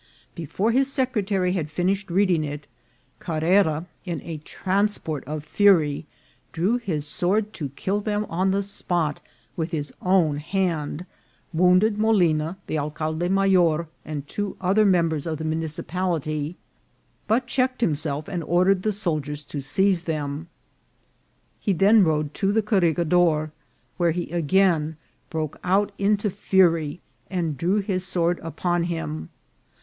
Before his secretary had finished reading it, Carrera, in a transport of fury, drew his sword to kill them on the spot with his own hand, wounded Molina, the alcalde mayor, and two oth er members of the municipality, but checked himself and ordered the soldiers to seize them. He then rode to the corregidor, where he again broke out into fury, and drew his sword upon him.